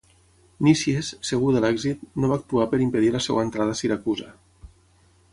Nícies, segur de l'èxit, no va actuar per impedir la seva entrada a Siracusa.